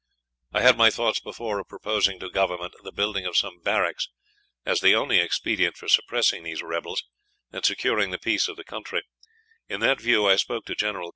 "I had my thoughts before of proposing to Government the building of some barracks as the only expedient for suppressing these rebels, and securing the peace of the countrie; and in that view I spoke to Genll.